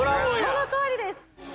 ◆そのとおりです！